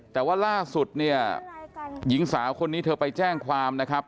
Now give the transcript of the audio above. แต่ว่าล่าสุดเนี่ยหญิงสาวคนนี้เธอไปแจ้งความนะครับ